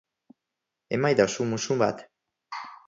Emaidazu muxu bat.